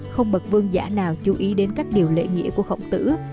không bậc vương giả nào chú ý đến các điều lễ nghĩa của khổng tử